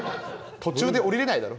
途中で降りれないだろ？